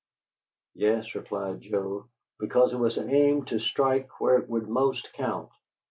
"Yes," replied Joe, "because it was aimed to strike where it would most count."